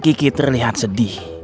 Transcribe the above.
kiki terlihat sedih